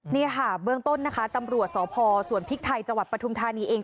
นี่ค่ะเบื้องต้นนะคะตำรวจสส่วนพิกทัยจัวร์ประทุ่มธานีเอง